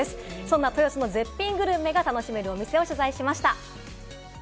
そんな豊洲の絶品グルメが楽しめるお店を取材しました。